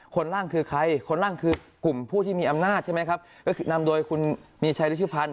ร่างคือใครคนล่างคือกลุ่มผู้ที่มีอำนาจใช่ไหมครับก็คือนำโดยคุณมีชัยรุชิพันธ